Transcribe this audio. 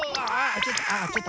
ちょっと！